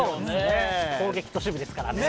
攻撃と守備ですからね。